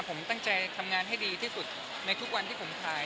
ผมตั้งใจทำงานให้ดีที่สุดในทุกวันที่ผมถ่าย